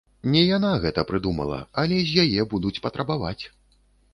Не яна гэта прыдумала, але з яе будуць патрабаваць.